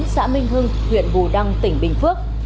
xã minh hưng huyện bù đăng tỉnh bình phước